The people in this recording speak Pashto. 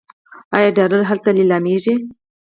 آیا ډالر هلته لیلامیږي؟